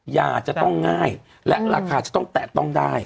ยาจะต้องง่ายและราคาจะต้องแตะต้องได้